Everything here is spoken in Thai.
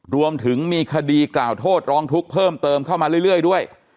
รวมถึงมีคดีกล่าวโทษร้องทุกข์เพิ่มเติมเข้ามาเรื่อยด้วย